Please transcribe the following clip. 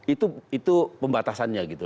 itu itu pembatasannya gitu